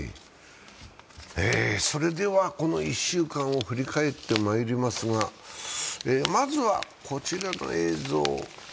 それでは、この１週間を振り返ってまいりますが、まずはこちらの映像。